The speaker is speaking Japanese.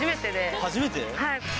初めて？